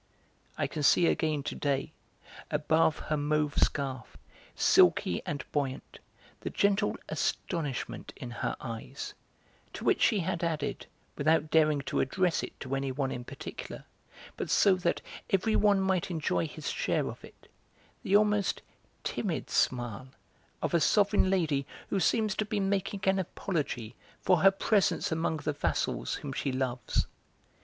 I can see again to day, above her mauve scarf, silky and buoyant, the gentle astonishment in her eyes, to which she had added, without daring to address it to anyone in particular, but so that everyone might enjoy his share of it, the almost timid smile of a sovereign lady who seems to be making an apology for her presence among the vassals whom she loves.